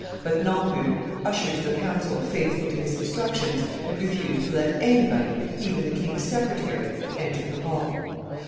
But Nambu, usher to the council, faithful to his instructions, had refused to let anybody, even the king's secretary, enter the hall.